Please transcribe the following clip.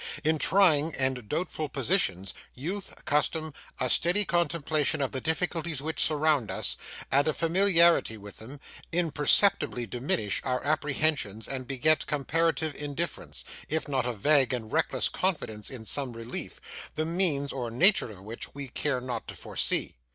In trying and doubtful positions, youth, custom, a steady contemplation of the difficulties which surround us, and a familiarity with them, imperceptibly diminish our apprehensions and beget comparative indifference, if not a vague and reckless confidence in some relief, the means or nature of which we care not to foresee.